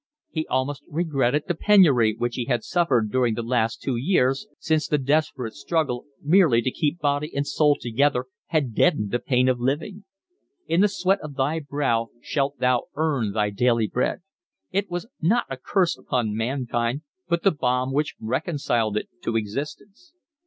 He almost regretted the penury which he had suffered during the last two years, since the desperate struggle merely to keep body and soul together had deadened the pain of living. In the sweat of thy brow shalt thou earn thy daily bread: it was not a curse upon mankind, but the balm which reconciled it to existence.